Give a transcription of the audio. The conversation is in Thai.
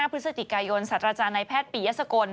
พฤศจิกายนสัตว์อาจารย์ในแพทย์ปียสกล